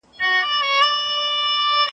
د افغانستان د فکري استقلال بنسټونه پیاوړي کول.